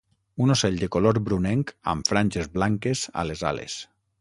Un ocell de color brunenc amb franges blanques a les ales.